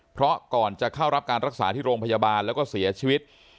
เพราะก่อนจะเข้ารับการรักษาที่โรงพยาบาลแล้วก็เสียชีวิต